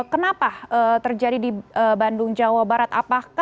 kenapa terjadi di bandung jawa barat apa halnya